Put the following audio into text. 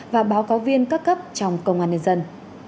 và báo cáo viên các cấp trong công an nhân dân